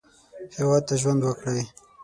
هېواد ته ژوند وکړئ